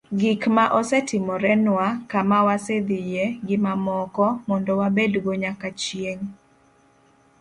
gik ma osetimorenwa, kama ma wasedhiye, gi mamoko, mondo wabedgo nyaka chieng'